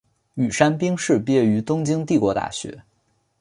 宇山兵士毕业于东京帝国大学。